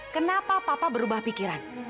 kenapa papa berubah pikiran